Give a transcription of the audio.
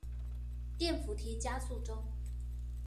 電扶梯加速中